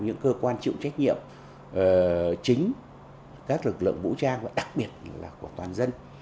những cơ quan chịu trách nhiệm chính các lực lượng vũ trang và đặc biệt là của toàn dân